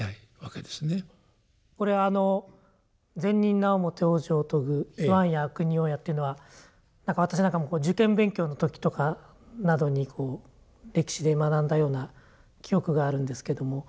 これあの「善人なをもて往生をとぐいはんや悪人をや」というのは私なんかも受験勉強の時とかなどに歴史で学んだような記憶があるんですけども。